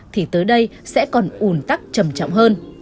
thì tới đây sẽ còn ủn tắc trầm trọng hơn